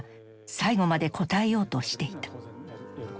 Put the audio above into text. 最後まで答えようとしていた。